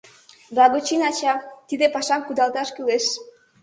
— Благочин ача, тиде пашам кудалташ кӱлеш.